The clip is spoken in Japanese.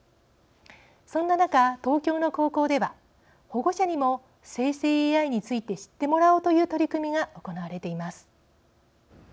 そんな中、東京の高校では保護者にも生成ＡＩについて知ってもらおうという取り組みが行われています。